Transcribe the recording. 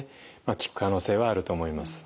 効く可能性はあると思います。